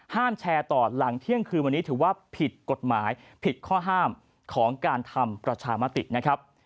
แชร์ต่อหลังเที่ยงคืนวันนี้ถือว่าผิดกฎหมายผิดข้อห้ามของการทำประชามตินะครับ